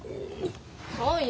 そうよ。